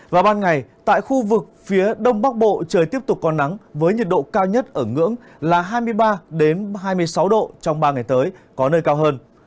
và ban ngày tại khu vực phía đông bắc bộ trời tiếp tục có nắng với nhiệt độ cao nhất ở ngưỡng là hai mươi ba ba mươi sáu độ trong ba ngày tới có nơi cao hơn